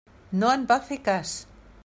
No en va fer cas.